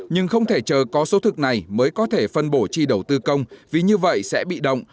nhưng không thể chờ có số thực này mới có thể phân bổ chi đầu tư công vì như vậy sẽ bị động